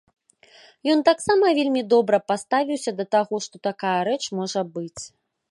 Ён таксама вельмі добра паставіўся да таго, што такая рэч можа быць.